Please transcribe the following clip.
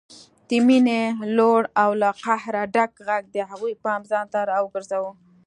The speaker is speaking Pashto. د مينې لوړ او له قهره ډک غږ د هغوی پام ځانته راوګرځاوه